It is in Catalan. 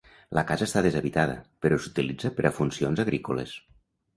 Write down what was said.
La casa està deshabitada, però s'utilitza per a funcions agrícoles.